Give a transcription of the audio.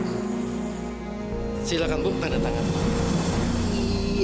saya tak akan lakukan yang retiru ketika kamu sudah mengacau wid floyd